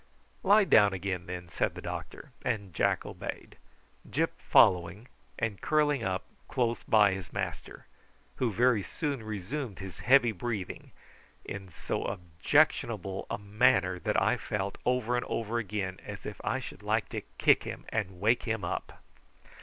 "Lie down again, then," said the doctor; and Jack obeyed, Gyp following and curling up close by his master, who very soon resumed his heavy breathing, in so objectionable a manner that I felt over and over again as if I should like to kick him and wake him up.